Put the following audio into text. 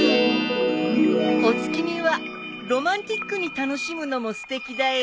お月見はロマンチックに楽しむのもすてきだよ